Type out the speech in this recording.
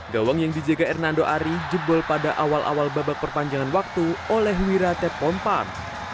gawang yang dijaga hernando ari jebol pada awal awal babak perpanjangan waktu oleh wirate pompar